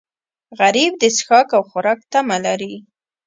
غریب د څښاک او خوراک تمه لري